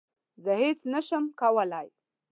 زه هیڅ نه شم کولای